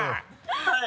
はい。